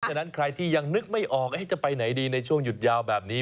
ฉะนั้นใครที่ยังนึกไม่ออกจะไปไหนดีในช่วงหยุดยาวแบบนี้